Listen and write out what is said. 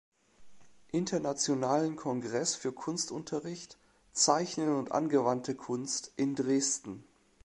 Internationalen Kongress für Kunstunterricht, Zeichnen und angewandte Kunst" in Dresden.